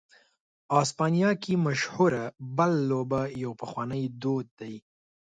اسپانیا کې مشهوره "بل" لوبه یو پخوانی دود دی.